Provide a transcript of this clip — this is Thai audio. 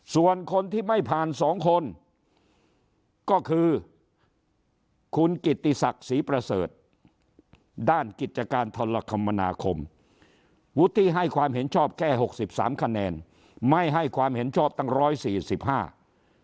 ส่วนคนที่ไม่ผ่านสองคนก็คือคุณกิติศักดิ์ศรีประเสริฐด้านกิจการทรคมนาคมวุฒิให้ความเห็นชอบแค่หกสิบสามคะแนนไม่ให้ความเห็นชอบตั้งร้อยสี่สิบห้า